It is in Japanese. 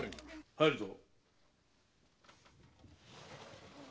・入るぞ。